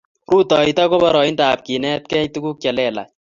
rutoito ko poroindap kenetkei tukukchelelach